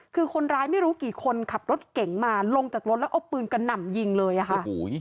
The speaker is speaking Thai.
คือคนร้ายไม่รู้กี่คนขับรถเก่งมาลงจากรถแล้วเอาปืนกระหน่ำยิงเลยอะค่ะ